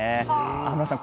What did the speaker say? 天野さん